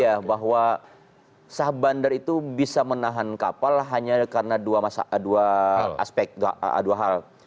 ya bahwa sah bandar itu bisa menahan kapal hanya karena dua aspek dua hal